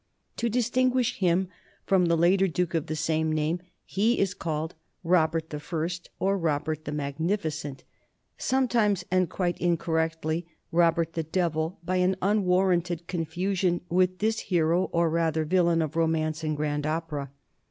To distinguish him from the later duke of the same name he is called Robert I or Robert the Magnificent, sometimes and quite in correctly, Robert the Devil, by an unwarranted confu sion with this hero, or rather villain, of romance and grand opera.